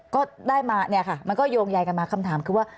ก็ได้มาเนี่ยค่ะมันก็โยงใยกันมาคำถามคือว่า